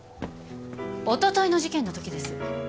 おとといの事件のときです。